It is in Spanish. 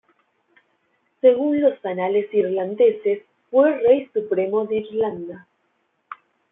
Según los anales irlandeses fue Rey Supremo de Irlanda.